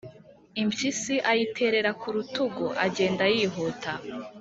Impyisi, ayiterera ku rutugu agenda yihuta.